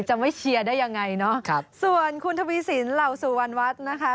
จะไม่เชียร์ได้ยังไงเนาะครับส่วนคุณทวีสินเหล่าสุวรรณวัฒน์นะคะ